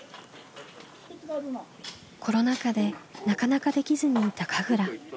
コロナ禍でなかなかできずにいた神楽。